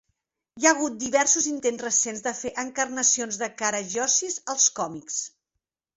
Hi ha hagut diversos intents recents de fer encarnacions de Karagiozis als còmics.